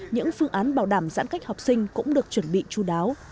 những phương án bảo đảm giãn cách học sinh cũng được chuẩn bị chú đáo